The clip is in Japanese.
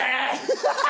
ハハハハ！